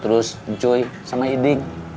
terus joy sama hiding